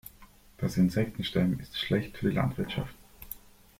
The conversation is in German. Das Insektensterben ist schlecht für die Landwirtschaft.